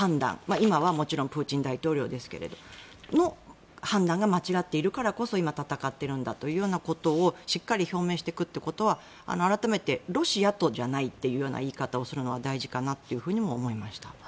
今はもちろんプーチン大統領ですが、彼の判断が間違っているからこそ今、戦っているんだということをしっかり表明していくということは改めて、ロシアとじゃないという言い方をするのは大事かなと思いました。